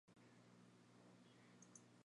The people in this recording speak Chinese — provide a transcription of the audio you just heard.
之后辖境屡有变迁。